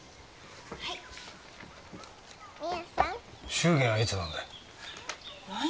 祝言はいつなんだい？